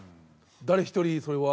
誰一人それは。